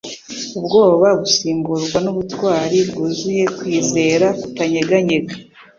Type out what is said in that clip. Ubwoba busimburwa n'ubutwari bwuzuye kwizera kutanyeganyega.